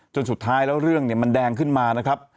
สุดท้ายแล้วเรื่องเนี่ยมันแดงขึ้นมานะครับ